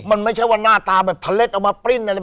มันไม่ใช่ว่าหน้าตาแบบทะเล็ดเอามาปริ้นอะไร